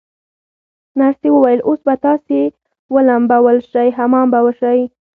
نرسې وویل: اوس به تاسي ولمبول شئ، حمام به وشی.